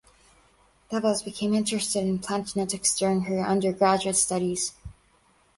Devos became interested in plant genetics during her undergraduate studies.